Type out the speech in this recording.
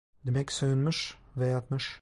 Demek soyunmuş ve yatmış!